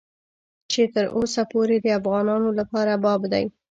چې تر اوسه پورې د افغانانو لپاره باب دی.